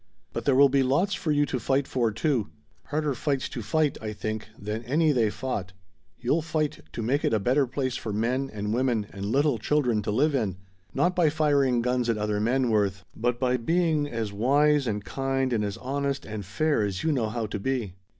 But there will be lots for you to fight for, too; harder fights to fight, I think, than any they fought. You'll fight to make it a better place for men and women and little children to live in. Not by firing guns at other men, Worth, but by being as wise and kind and as honest and fair as you know how to be."